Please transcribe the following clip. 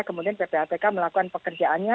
kemudian ppatk melakukan pekerjaannya